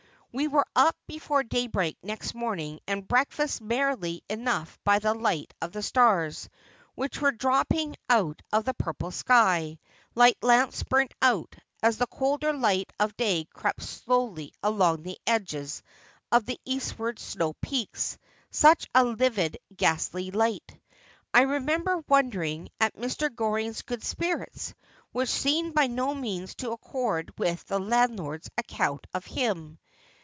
' We were up before daybreak next morning, and breakfasted merrily enough by the light of the stars, which were dropping out of the purple sky, like lamps burned out, as the colder light of day crept slowly along the edges of the eastward snow peaks — such a livid ghastly light. I remember wondering at Mr. Goring's good spirits, which seemed by no means to accord with the landlord's account of him.